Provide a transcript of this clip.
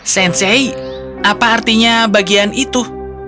sensei apa artinya bagian itu